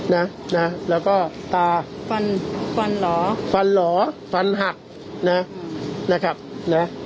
นะนะแล้วก็ตาฟันฟันเหรอฟันเหรอฟันหักนะนะครับนะ